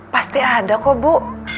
pasti ada kok bu